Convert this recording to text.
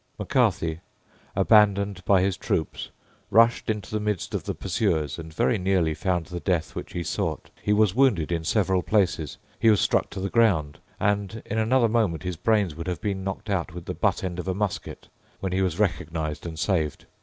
Macarthy, abandoned by his troops, rushed into the midst of the pursuers and very nearly found the death which he sought. He was wounded in several places: he was struck to the ground; and in another moment his brains would have been knocked out with the butt end of a musket, when he was recognised and saved.